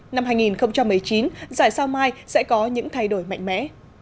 năm hai nghìn một mươi chín giải sao mai sẽ có những thay đổi mạnh mẽ